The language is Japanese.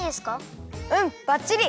うんばっちり！